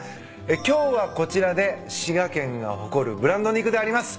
今日はこちらで滋賀県が誇るブランド肉であります